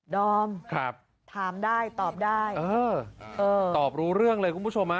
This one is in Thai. ดอมถามได้ตอบได้เออตอบรู้เรื่องเลยคุณผู้ชมฮะ